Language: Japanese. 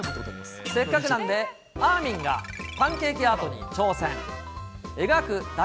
せっかくなんで、あーみんがパンケーキアートに挑戦。